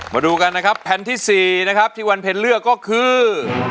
มาดูกันนะครับแผ่นที่๔นะครับที่วันเพ็ญเลือกก็คือ